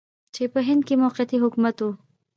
چې په هند کې موقتي حکومت و.